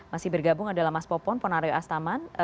masih bergabung adalah mas popon ponario astaman